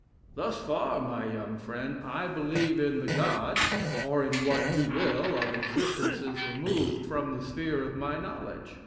Thus far, my young friend, 1 believe in the Gods, or in what you will of existences removed from the sphere of my knowledge.